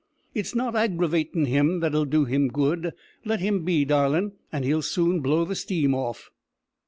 "It's not aggravatin' him that'll do him good. Let him be, darlin', and he'll soon blow the steam off."